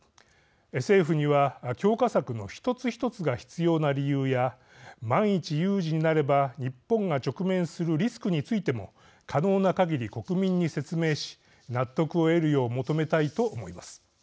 政府には、強化策の一つ一つが必要な理由や万一、有事になれば日本が直面するリスクについても可能なかぎり国民に説明し納得を得るよう求めたいと思います。